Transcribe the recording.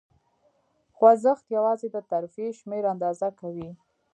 خوځښت یواځې د ترفیع شمېر آندازه کوي.